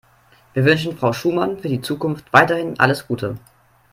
Wir wünschen Frau Schumann für die Zukunft weiterhin alles Gute.